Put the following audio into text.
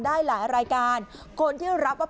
ได้หลายรายการคนที่รับว่า